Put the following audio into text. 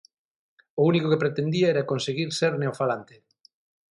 O único que pretendía era conseguir ser neofalante.